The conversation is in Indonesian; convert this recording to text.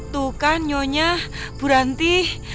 tuh kan nyonya bu ranti